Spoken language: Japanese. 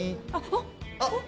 あっ！